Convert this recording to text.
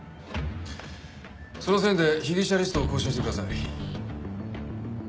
その線で被疑者リストを更新してください。